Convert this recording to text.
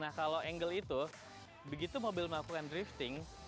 nah kalau angle itu begitu mobil melakukan drifting